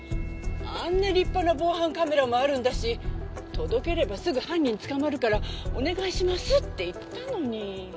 あんな立派な防犯カメラもあるんだし届ければすぐ犯人捕まるからお願いしますって言ったのに。